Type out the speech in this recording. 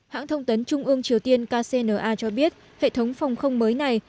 hãng thông tấn trung ương triều tiên kcna cho biết hệ thống phòng không mới này